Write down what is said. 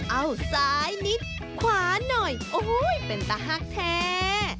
เอาซ้ายนิดขวาหน่อยโอ้ยเป็นตะฮักแท้